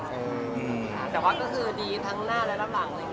แต่ว่าก็คือดีทั้งหน้าและลำหลังเลย